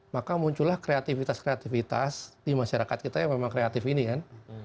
maka muncullah kreativitas kreativitas di masyarakat kita yang memang kreatif ini kan